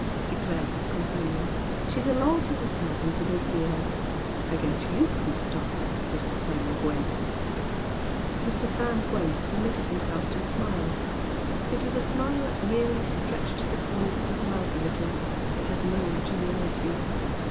declared his companion. "She's a law to herself and to nobody else. I guess YOU couldn't stop her, Mr. Sam Gwent!" Mr. Sam Gwent permitted himself to smile. It was a smile that merely stretched the corners of his mouth a little, it had no geniality.